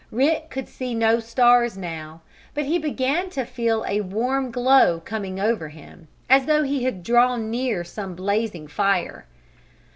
Rick could see no stars now, but he began to feel a warm glow coming over him, as though he had drawn near some blazing fire.